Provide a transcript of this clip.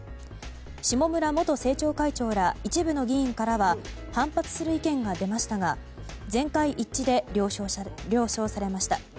下村元政調会長ら一部の議員からは反発する意見が出ましたが全会一致で了承されました。